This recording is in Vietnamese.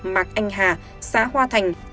mạc anh hà xã hoa thành